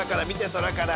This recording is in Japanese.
空から。